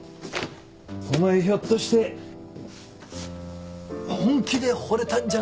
お前ひょっとして本気でほれたんじゃないの？